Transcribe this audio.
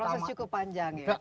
proses cukup panjang ya